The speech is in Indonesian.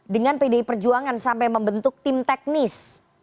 dengan pdi perjuangan sampai membentuk tim teknis